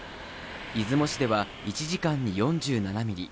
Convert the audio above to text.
出雲市では１時間に４７ミリ